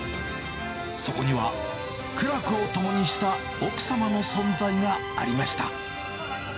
そこには、苦楽を共にした奥様の存在がありました。